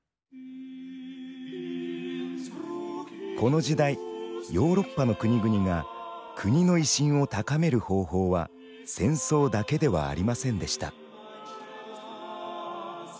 この時代ヨーロッパの国々が国の威信を高める方法は戦争だけではありませんでした。